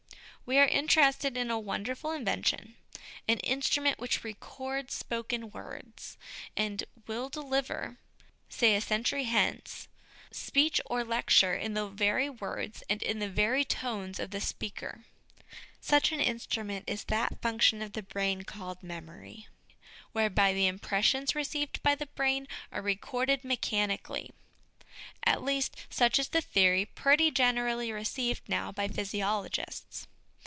We are interested in a wonderful invention an instrument which records spoken words, and 156 HOME EDUCATION will deliver, say a century hence, speech or lecture in the very words and in the very tones of the speaker. Such an instrument is that function of the brain called memory, whereby the impressions received by the brain are recorded mechanically at least, such is the theory pretty generally received now by physiologists.